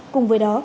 cùng với đó